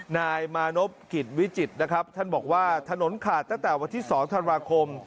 นายมานพกิจวิจิตรนะครับท่านบอกว่าถนนขาดตั้งแต่วันที่๒ธันวาคม